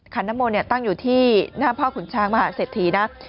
ขันน้ำมนธ์ตั้งอยู่ที่หน้าพ่อขุนชางมหาเสธทรีย์นะ